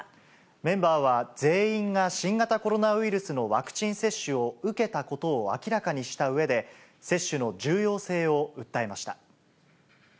メンバーは全員が新型コロナウイルスのワクチン接種を受けたことを明らかにしたうえで、接種の重要性を訴えました。